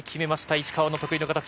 石川の得意な形。